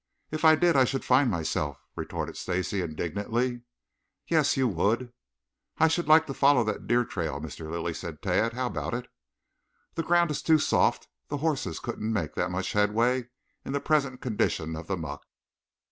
"If I did I should find myself," retorted Stacy indignantly. "Yes, you would!" "I should like to follow that deer trail, Mr. Lilly," said Tad. "How about it?" "The ground is too soft. The horses couldn't make much headway in the present condition of the muck."